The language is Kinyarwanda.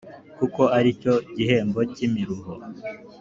kuko ali cyo gihembo cy’imiruho